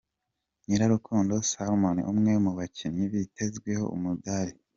Nyirarukundo Salome umwe mu bakinnyi bitezweho umudali.